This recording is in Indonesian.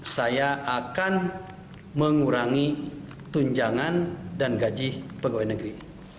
saya akan mengurangi tunjangan dan gaji pegawai negeri